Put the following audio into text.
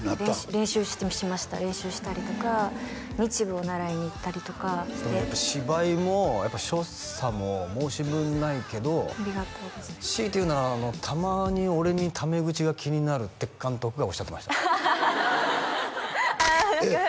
練習しました練習したりとか日舞を習いに行ったりとかして芝居も所作も申し分ないけど強いて言うならたまに俺にタメ口が気になるって監督がおっしゃってましたああえっ？